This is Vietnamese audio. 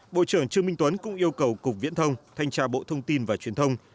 bộ trưởng trương minh tuấn cũng yêu cầu cục viễn thông thanh tra bộ thông tin và truyền thông